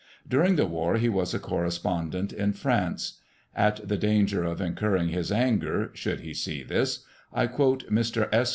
During the War he was a correspondent in France; at the danger of incurring his anger (should he see this) I quote Mr. S.